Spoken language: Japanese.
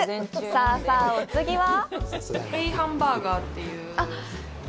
さあさあ、お次は？